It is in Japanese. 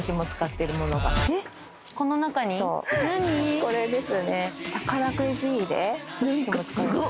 これですね。